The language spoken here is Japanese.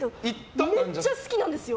めっちゃ好きなんですよ。